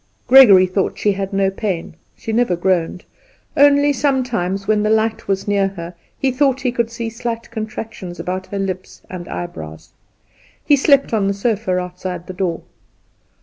Gregory thought she had no pain, she never groaned; only sometimes, when the light was near her, he thought he could see contractions about her lips and eyebrows. He slept on the sofa outside her door.